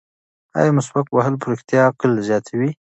ایا مسواک وهل په رښتیا عقل زیاتوي؟